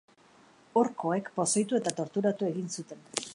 Orkoek pozoitu eta torturatu egin zuten.